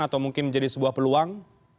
atau mungkin menjadi sebuah peluang